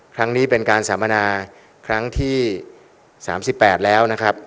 ครั้งนี้เป็นการสัมมนาครั้งที่๓๘แล้วนะครับ